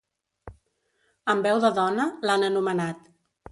Amb veu de dona, l’han anomenat.